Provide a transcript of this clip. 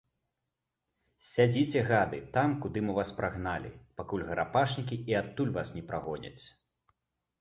Сядзіце, гады, там, куды мы вас прагналі, пакуль гарапашнікі і адтуль вас не прагоняць.